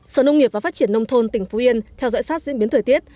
sở nông nghiệp và phát triển nông thôn tỉnh phú yên theo dõi sát diễn biến thời tiết